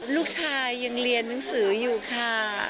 ลูกชายยังเรียนหนังสืออยู่ค่ะ